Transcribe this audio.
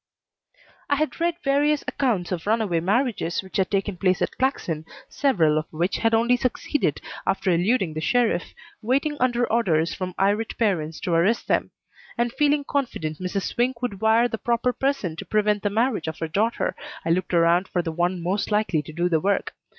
I had read various accounts of runaway marriages which had taken place at Claxon, several of which had only succeeded after eluding the sheriff, waiting under orders from irate parents to arrest them; and feeling confident Mrs. Swink would wire the proper person to prevent the marriage of her daughter, I looked around for the one most likely to do the work.